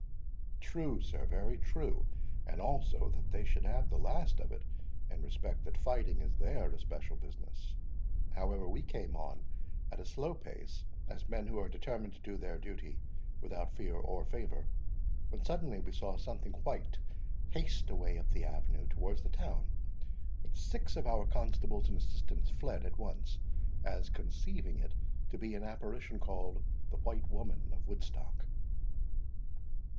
"True, sir, very true;—and also that they should have the last of it, in respect that fighting is their especial business. However, we came on at a slow pace, as men who are determined to do their duty without fear or favour, when suddenly we saw something white haste away up the avenue towards the town, when six of our constables and assistants fled at once, as conceiving it to be an apparition called the White Woman of Woodstock."